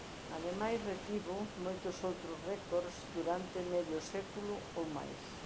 Ademais retivo moitos outros récords durante medio século ou máis.